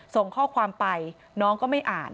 ส่งข้อความไปน้องก็ไม่อ่าน